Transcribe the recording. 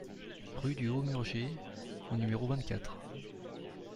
Rue du Haut Murger au numéro vingt-quatre